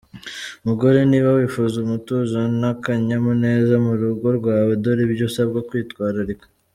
Mugore niba wifuza umutuzo n’akanyamuneza mu rugo rwawe dore ibyo usabwa kwitwararika.